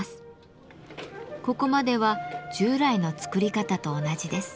ここまでは従来の作り方と同じです。